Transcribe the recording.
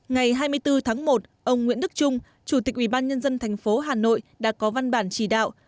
ngày hai mươi bốn tháng một ông nguyễn đức trung chủ tịch ủy ban nhân dân thành phố hà nội đã có văn bản chỉ đạo